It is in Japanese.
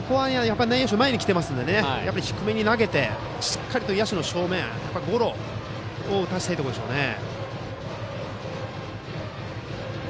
内野手が前に来ていますのでやっぱり低めに投げてしっかりと野手の正面、ゴロを打たせたいですよね。